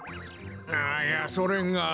いやそれが。